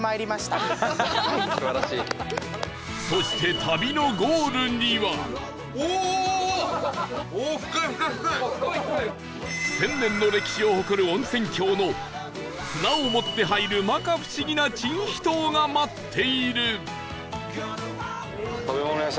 そして１０００年の歴史を誇る温泉郷の綱を持って入る摩訶不思議な珍秘湯が待っている